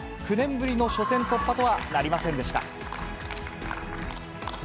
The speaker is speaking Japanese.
９年ぶりの初戦突破とはなりませんでした。